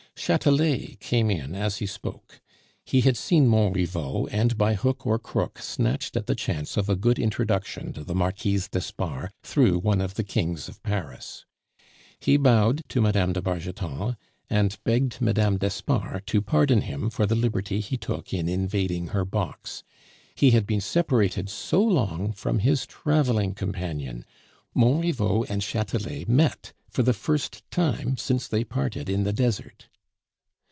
Chatelet came in as he spoke; he had seen Montriveau, and by hook or crook snatched at the chance of a good introduction to the Marquise d'Espard through one of the kings of Paris. He bowed to Mme. de Bargeton, and begged Mme. d'Espard to pardon him for the liberty he took in invading her box; he had been separated so long from his traveling companion! Montriveau and Chatelet met for the first time since they parted in the desert.